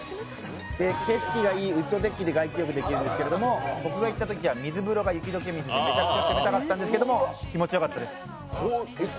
景色がいいウッドデッキで外気浴できるんですけれども、僕が行ったときは水風呂が雪解け水でめちゃくちゃ冷たかったんですけど気持ちよかったです。